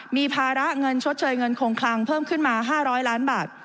มีภาระเงินชดเชยเงินคงคลังเพิ่มขึ้นมา๕๐๐ล้านบาท